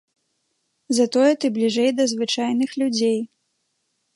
Затое ты бліжэй да звычайных людзей.